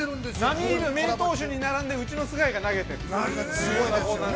◆なみいる名投手に並んでうちの須貝が投げています。